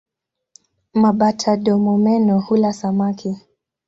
Mabata-domomeno hula samaki.